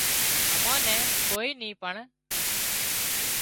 امان نين ڪوئي نِي پڻ